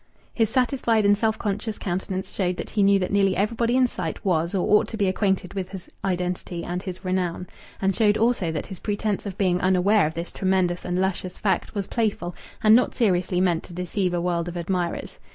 His satisfied and self conscious countenance showed that he knew that nearly everybody in sight was or ought to be acquainted with his identity and his renown, and showed also that his pretence of being unaware of this tremendous and luscious fact was playful and not seriously meant to deceive a world of admirers.